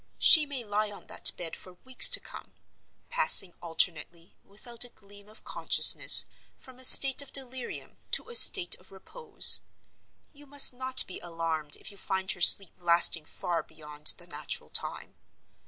She may lie on that bed for weeks to come; passing alternately, without a gleam of consciousness, from a state of delirium to a state of repose. You must not be alarmed if you find her sleep lasting far beyond the natural time.